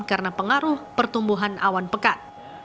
karena pengaruh pertumbuhan awan pekat